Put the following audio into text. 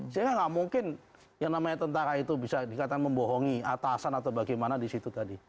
sehingga nggak mungkin yang namanya tentara itu bisa dikatakan membohongi atasan atau bagaimana di situ tadi